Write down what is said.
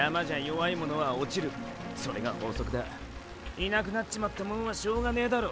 いなくなっちまったモンはしょうがねェだろ！